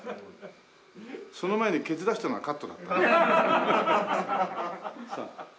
その前にケツ出したのはカットだった。